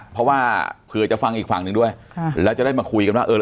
เพราะว่าเผื่อจะฟังอีกฝั่งหนึ่งด้วยค่ะแล้วจะได้มาคุยกันว่าเออ